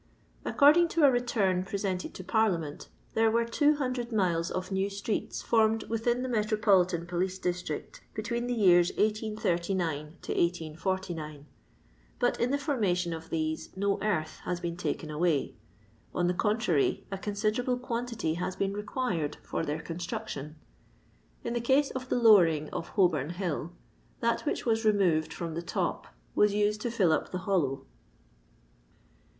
—lLe cording to a Betarn presented to Parliament, there were 200 miles of new ttreeta formed within the metropolitan police district between the years 1889 49 ; but in the formation of these no earth has been taken awaj; on the contrary a con siderable quantity has been required for their construction. In the case of the lowering of Holbom hill, that which was remoyed from the top was used to fill up the hollow.